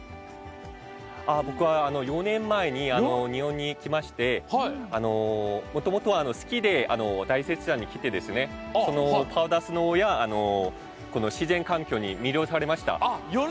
僕は４年前に日本に来ましてもともとスキーで大雪山にきてパウダースノーや自然環境に魅了されました。